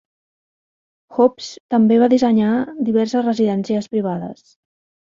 Hobbs també va dissenyar diverses residències privades.